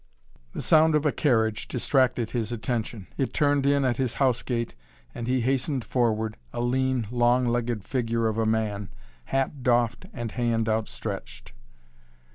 The sound of a carriage distracted his attention. It turned in at his house gate and he hastened forward, a lean, long legged figure of a man, hat doffed and hand outstretched.